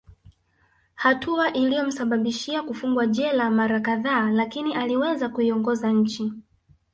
Hatua iliyomsababishia kufungwa jela mara kadhaa lakini aliweza kuiongoza nchi